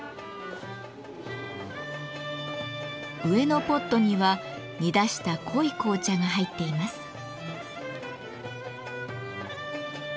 上のポットには煮出した濃い紅茶が入っています。